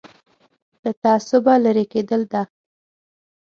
له تعصبه لرې کېدل ده.